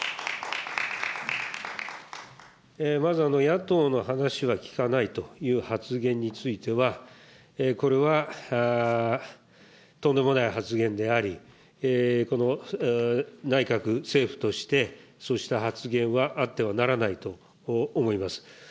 まず、野党の話は聞かないという発言については、これはとんでもない発言であり、この内閣、政府としてそうした発言は、あってはならないと思います。